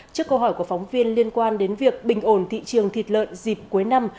trước câu hỏi của phóng viên liên quan đến việc bình ổn thị trường thịt lợn dịp cuối năm